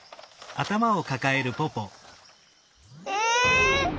え！